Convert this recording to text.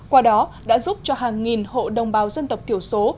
qua đó đã giúp cho hàng nghìn hộ đồng bào dân tộc thiểu số